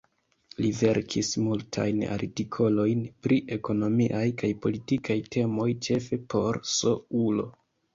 Li verkis multajn artikolojn pri ekonomiaj kaj politikaj temoj, ĉefe por S-ulo.